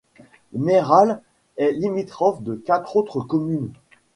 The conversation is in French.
Meyrals est limitrophe de quatre autres communes.